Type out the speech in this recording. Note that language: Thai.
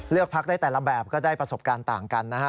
เลือกพักได้แต่ละแบบก็ได้ประสบการณ์ต่างกันนะฮะ